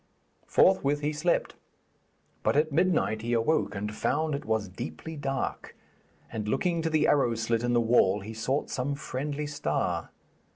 Forthwith he slept; but at midnight he awoke and found it was deeply dark, and looking to the arrow slit in the wall he sought some friendly star.